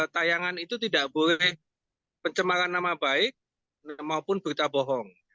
tayangan itu tidak boleh pencemaran nama baik maupun berita bohong